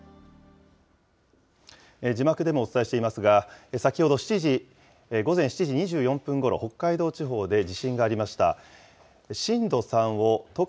字幕でもお伝えしていますが、先ほど午前７時２４分ごろ、北海道地方で地震がありました。